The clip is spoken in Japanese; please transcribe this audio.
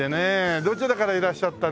どちらからいらっしゃったんですか？